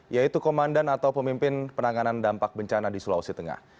yaitu komandan atau pemimpin penanganan dampak bencana di sulawesi tengah